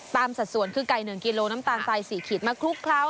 สัดส่วนคือไก่๑กิโลน้ำตาลทราย๔ขีดมาคลุกเคล้า